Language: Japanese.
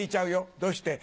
「どうして？」